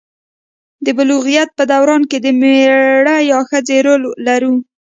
د بلوغیت په دوران کې د میړه یا ښځې رول لرو.